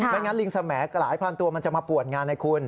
งั้นลิงสมหลายพันตัวมันจะมาปวดงานไงคุณ